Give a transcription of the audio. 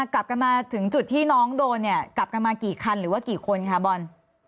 กลับกันมาถึงจุดที่น้องโดนเนี่ยกลับกันมากี่คันหรือว่ากี่คนคะบอล